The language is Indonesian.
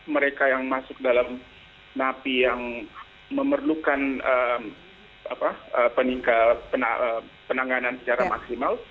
mereka yang masuk dalam napi yang memerlukan penanganan secara maksimal